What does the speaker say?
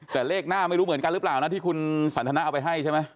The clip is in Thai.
แต่เลขหน้าไม่รู้เหมือนกันหรือเปล่านะที่คุณสันทนาเอาไปให้ใช่ไหม